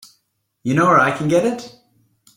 You know where I can get it?